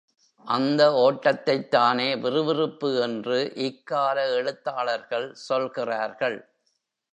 அந்த ஓட்டத்தைத்தானே விறுவிறுப்பு என்று இக்கால எழுத்தாளர்கள் சொல்கிறார்கள்?